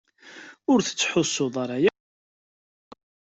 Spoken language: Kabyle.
Ur tettḥussuḍ ara yakk.